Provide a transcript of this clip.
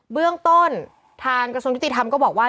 เบื้องต้นทางกระทรวงยุติธรรมก็บอกว่า